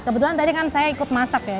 kebetulan tadi kan saya ikut masak ya